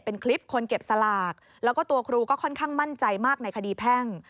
เป็นคลิปคนเก็บสลากแล้วก็ตัวครูก็ค่อนข้างมั่นใจมากในคดีแพ่ง